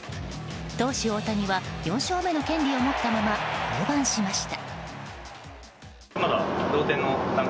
投手・大谷は４勝目の権利を持ったまま降板しました。